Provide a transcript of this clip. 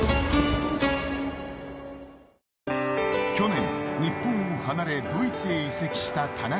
去年日本を離れドイツへ移籍した田中碧。